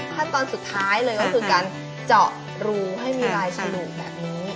ขั้นตอนสุดท้ายเลยก็คือการเจาะรูให้มีลายฉลูกแบบนี้